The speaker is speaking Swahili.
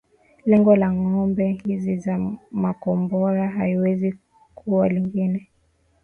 Lengo la ngome hizi za makombora haliwezi kuwa lingine